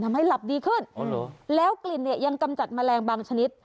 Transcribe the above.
ทำให้หลับดีขึ้นแล้วกลิ่นเนี่ยยังกำจัดแมลงบางชนิด